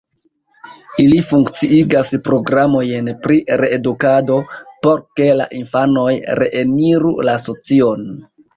Ili funkciigas programojn pri reedukado, por ke la infanoj reeniru la socion.